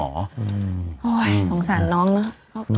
โอ้ยสงสารน้องเนอะ